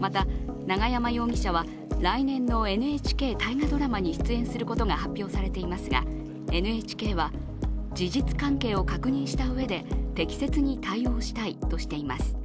また、永山容疑者は来年のＮＨＫ大河ドラマに出演することが発表されていますが、ＮＨＫは事実関係を確認したうえで適切に対応したいとしています。